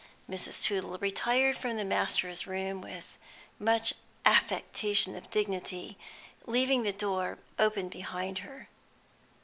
Mrs. Tootle retired from the masters' room with much affectation of dignity, leaving the door open behind her.